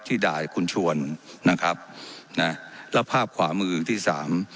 ด่ายคุณชวนนะครับนะแล้วภาพขวามือที่สาม